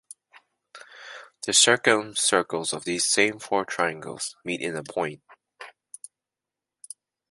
The circumcircles of these same four triangles meet in a point.